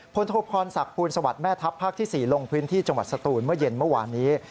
โทพรศักดิ์ภูลสวัสดิ์แม่ทัพภาคที่๔ลงพื้นที่จังหวัดสตูนเมื่อเย็นเมื่อวานนี้